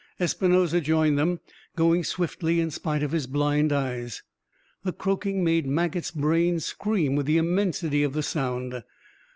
Espinosa joined them, going swiftly in spite of his blind eyes. The croaking made Maget's brain scream with the immensity of the sound.